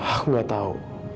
aku gak tahu